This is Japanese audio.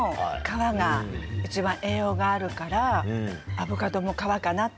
栄養があるからアボカドも皮かなって。